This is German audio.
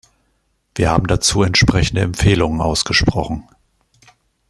Wir haben dazu entsprechende Empfehlungen ausgesprochen.